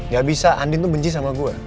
gak bisa andin tuh benci sama gue